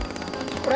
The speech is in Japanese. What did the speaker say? これ？